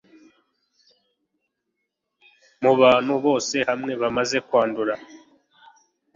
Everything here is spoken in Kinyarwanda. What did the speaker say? Mu bantu bose hamwe bamaze kwandura,